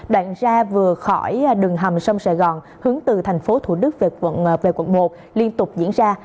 đoạn ra vừa khỏi đường hầm sông sài gòn hướng từ thành phố thủ đức về quận về quận một liên tục diễn ra